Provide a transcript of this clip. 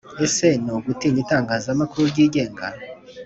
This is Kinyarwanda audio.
Ese ni ugutinya itangazamakuru ryigenga?